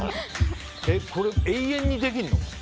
これ、永遠にできるの？